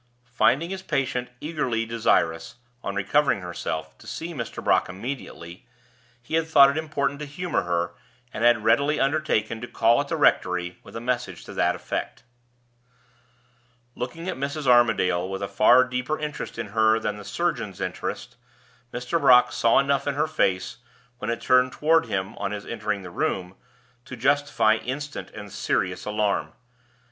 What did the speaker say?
Finding his patient eagerly desirous, on recovering herself, to see Mr. Brock immediately, he had thought it important to humor her, and had readily undertaken to call at the rectory with a message to that effect. Looking at Mrs. Armadale with a far deeper interest in her than the surgeon's interest, Mr. Brock saw enough in her face, when it turned toward him on his entering the room, to justify instant and serious alarm.